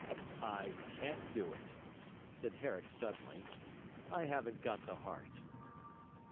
'I can't do it,' said Herrick suddenly. 'I haven't got the heart.'